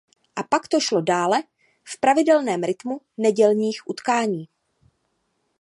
A pak to šlo dále v pravidelném rytmu nedělních utkání.